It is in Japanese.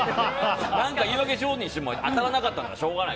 何か言い訳しようにも当たらなかったんだからしょうがない。